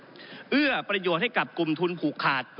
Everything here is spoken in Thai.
ก็ได้มีการอภิปรายในภาคของท่านประธานที่กรกครับ